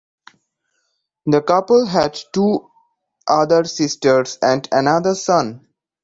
The couple had two other sisters and another son.